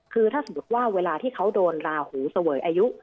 คือถ้าสมมุติว่าเวลาที่เขาโดนลาหูเสวยอายุ